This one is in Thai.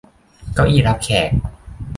เก้าอี้รับแขก